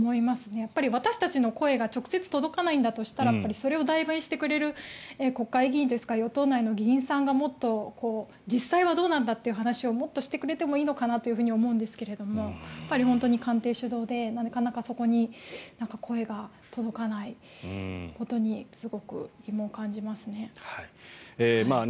やっぱり私たちの声が直接届かないんだとしたらそれを代弁してくれる国会議員ですとか与党内の議員さんがもっと実際はどうなんだという話をもっとしてくれてもいいのかなと思うんですけれど本当に官邸主導で、なかなかそこに声が届かないことにすごく疑問を感じますね。